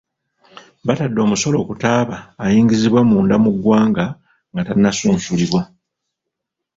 Batadde omusolo ku ttaaba ayingizibwa munda mu ggwanga nga tannasunsulibwa.